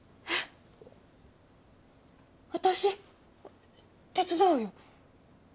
私手伝うよ。